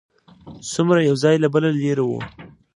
څومره یو ځای له بله لرې و.